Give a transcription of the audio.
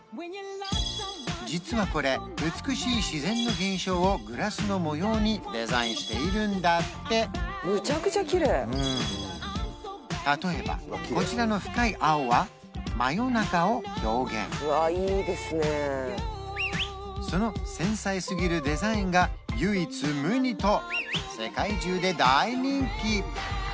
実はこれ美しい自然の現象をグラスの模様にデザインしているんだってむちゃくちゃきれい例えばこちらの深い青は真夜中を表現その繊細すぎるデザインが唯一無二と世界中で大人気！